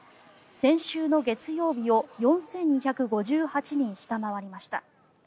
先週の月曜日を４２５８人下回りました。